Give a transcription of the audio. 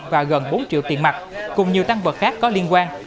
và gần bốn triệu tiền mặt cùng nhiều tăng vật khác có liên quan